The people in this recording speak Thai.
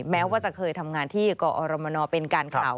แม้ว่าจะเคยทำงานที่กอรมนเป็นการข่าว